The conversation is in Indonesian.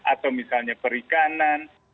atau misalnya perikanan